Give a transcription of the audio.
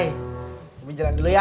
bikin jalan dulu ya